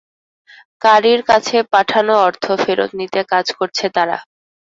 কারির কাছে পাঠানো অর্থ ফেরত নিতে কাজ করছে তারা।